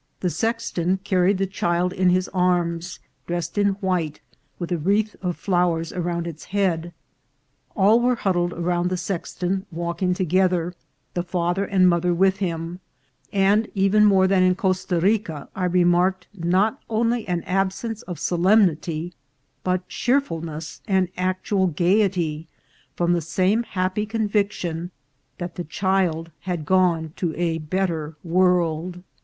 The sex ton carried the child in his arms, dressed in white, with a wreath of flowers around its head. All were hud dled around the sexton, walking together ; the father and mother with him ; and even more than in Costa Rica I remarked, not only an absence of solemnity, but cheerfulness and actual gayety, from the same happy conviction that the child had gone to a better world.